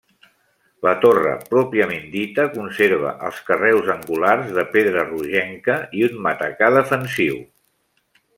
La torre pròpiament dita conserva els carreus angulars de pedra rogenca i un matacà defensiu.